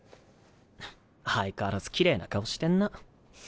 相変わらずきれいな顔してんな。